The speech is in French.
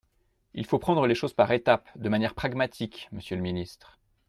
Il faut prendre les choses par étapes, de manière pragmatique, monsieur le ministre.